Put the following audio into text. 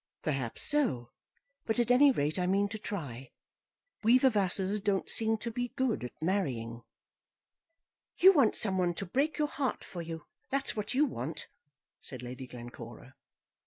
"Perhaps so; but, at any rate, I mean to try. We Vavasors don't seem to be good at marrying." "You want some one to break your heart for you; that's what you want," said Lady Glencora.